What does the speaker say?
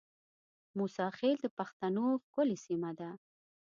موساخېل د بښتنو ښکلې سیمه ده